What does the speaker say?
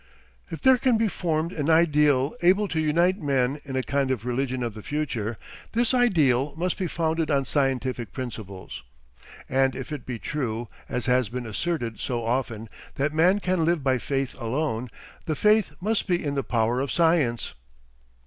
"If there can be formed an ideal able to unite men in a kind of religion of the future, this ideal must be founded on scientific principles. And if it be true, as has been asserted so often, that man can live by faith alone, the faith must be in the power of science."